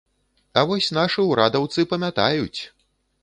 А вось нашы ўрадаўцы памятаюць!